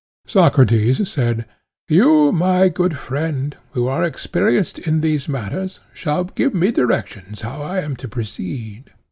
Socrates said: You, my good friend, who are experienced in these matters, shall give me directions how I am to proceed.